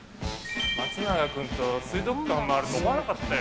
松永君と水族館を回ると思わなかったよ。